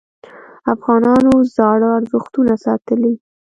افغانانو زاړه ارزښتونه ساتلي.